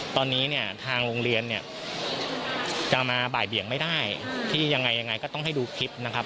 ตอนนี้ทางโรงเรียนจะมาบ่ายเบียงไม่ได้ที่อย่างไรก็ต้องให้ดูคลิปนะครับ